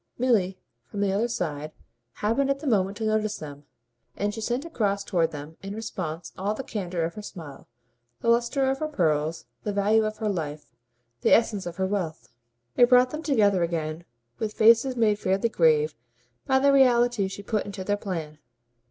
Milly, from the other side, happened at the moment to notice them, and she sent across toward them in response all the candour of her smile, the lustre of her pearls, the value of her life, the essence of her wealth. It brought them together again with faces made fairly grave by the reality she put into their plan.